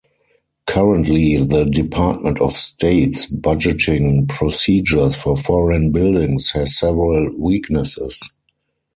Currently, the Department of State's budgeting procedures for foreign buildings has several weaknesses.